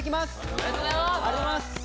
ありがとうございます。